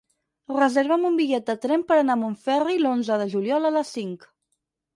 Reserva'm un bitllet de tren per anar a Montferri l'onze de juliol a les cinc.